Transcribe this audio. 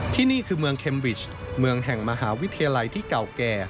ที่นี่คือเมืองเคมวิชเมืองแห่งมหาวิทยาลัยที่เก่าแก่